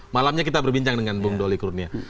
malamnya kita berbincang dengan bung doli kurnia